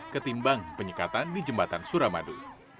ketimbang penyekatan di jembatan suramadu